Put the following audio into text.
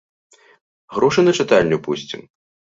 Грошы на чытальню пусцім.